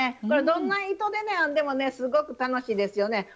これどんな糸で編んでもすごく楽しいですよね。